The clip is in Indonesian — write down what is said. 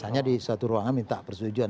hanya di suatu ruangan minta persetujuan